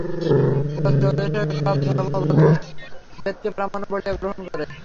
প্রাচ্যদেশের সব ধর্মমত বেদকে প্রামাণ্য বলিয়া গ্রহণ করে।